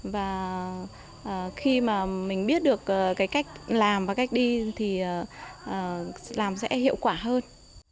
và khi mà mình biết được cái cách làm và cách đi thì làm sẽ hiệu quả hơn